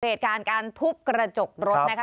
เหตุการณ์การทุบกระจกรถนะคะ